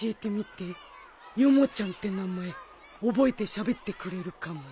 ヨモちゃんって名前覚えてしゃべってくれるかも。